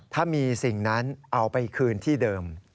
ถ้ามีสิ่งนั้นเอาไปคืนที่เดิม